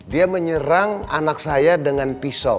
dia menyerang anak saya dengan pisau